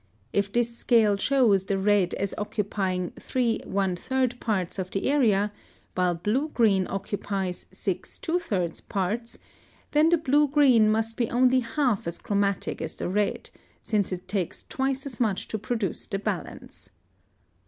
If this scale shows the red as occupying 3⅓ parts of the area, while blue green occupies 6⅔ parts, then the blue green must be only half as chromatic as the red, since it takes twice as much to produce the balance.